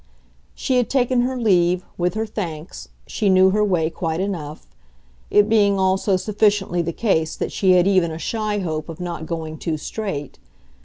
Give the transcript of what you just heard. She had taken her leave, with her thanks she knew her way quite enough; it being also sufficiently the case that she had even a shy hope of not going too straight.